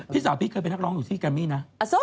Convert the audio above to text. พี่สาวพี่เคยเป็นนักร้องอยู่ที่แกมมี่นะ